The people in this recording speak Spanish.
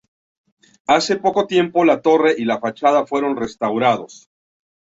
Hace poco tiempo la torre y la fachada fueron restaurados.